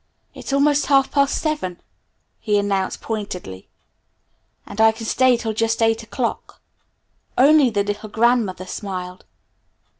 "It's almost half past seven," he announced pointedly, "and I can stay till just eight o'clock." Only the little grandmother smiled.